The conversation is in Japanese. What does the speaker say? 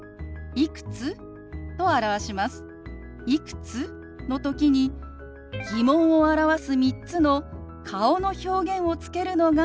「いくつ？」の時に疑問を表す３つの顔の表現をつけるのがポイントです。